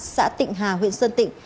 xã tịnh hà huyện sơn tịnh